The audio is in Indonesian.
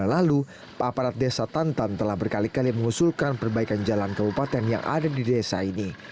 seribu sembilan ratus sembilan puluh sembilan lalu pak parat desa tantan telah berkali kali mengusulkan perbaikan jalan kabupaten yang ada di desa ini